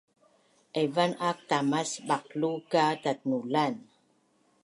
Aivan ak tamas baqlu ka tatnulan